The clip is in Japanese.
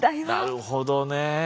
なるほどね。